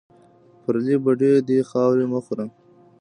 پرلې بډۍ دې خاورې مه خوره